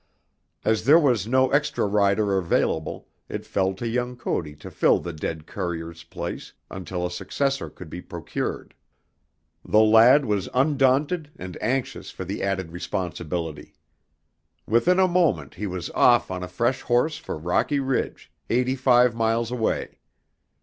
As there was no extra rider available, it fell to young Cody to fill the dead courier's place until a successor could be procured. The lad was undaunted and anxious for the added responsibility. Within a moment he was off on a fresh horse for Rocky Ridge, eighty five miles away.